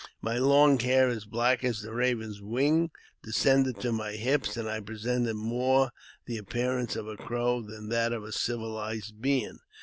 My long hair, as black as the raven's wing, descended to my hips, and I presented more the appear ance of a Crow than that of a civilized being.